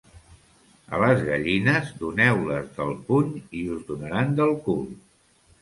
A les gallines, doneu-les del puny i us donaran del cul.